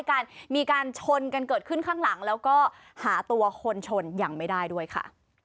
มีการชนกันเกิดขึ้นข้างหลังแล้วก็หาตัวคนชนยังไม่ได้ด้วยค่ะ